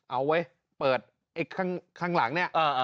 เอาเว้ยเปิดเอ็กซ์ข้างหลังเนี่ย